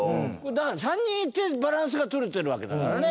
だから３人いてバランスが取れてるわけだからね。